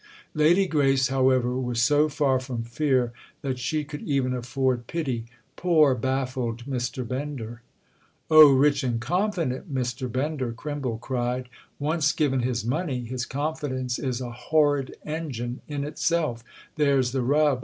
Lady Grace, however, was so far from fear that she could even afford pity. "Poor baffled Mr. Bender!" "Oh, rich and confident Mr. Bender!" Crimble cried. "Once given his money, his confidence is a horrid engine in itself—there's the rub!